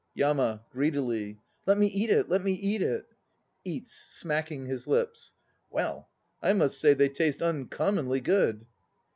YAMA (greedily). Let me eat it, let me eat it. (Eats, smacking his lips.) Well ! I must say they taste uncommonly good